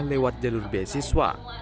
lewat jalur beasiswa